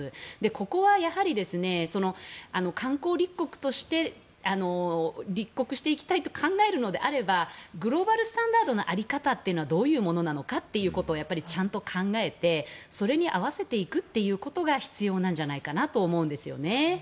ここは、観光立国として立国していきたいと考えるのであればグローバルスタンダードの在り方がどういうものなのかというのをやっぱりちゃんと考えてそれに合わせていくということが必要なんじゃないかなと思うんですよね。